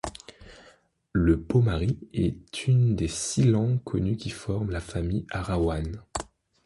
Le paumarí est une des six langues connues qui forment la famille arawane.